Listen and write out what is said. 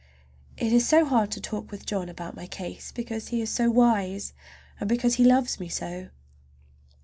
It is so hard to talk with John about my case, because he is so wise, and because he loves me so.